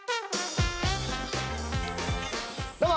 どうも！